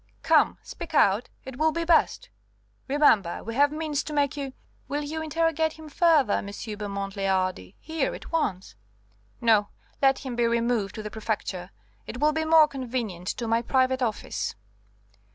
"Come, speak out; it will be best. Remember, we have means to make you " "Will you interrogate him further, M. Beaumont le Hardi? Here, at once?" "No, let him be removed to the Prefecture; it will be more convenient; to my private office."